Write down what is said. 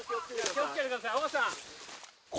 気を付けてください尾形さん。